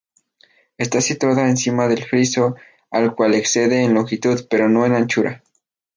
Está situada encima del friso al cual excede en longitud, pero no en anchura.